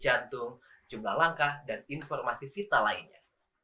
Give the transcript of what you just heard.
jantung jumlah langkah dan informasi vital lainnya